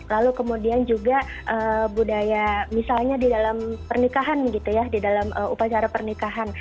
lalu kemudian juga budaya misalnya di dalam pernikahan gitu ya di dalam upacara pernikahan